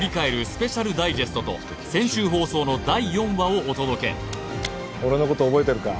スペシャルダイジェストと先週放送の第４話をお届け俺のこと覚えてるか？